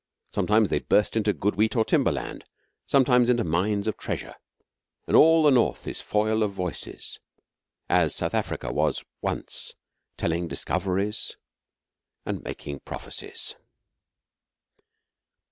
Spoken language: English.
Sometimes they burst into good wheat or timber land, sometimes into mines of treasure, and all the North is foil of voices as South Africa was once telling discoveries and making prophecies.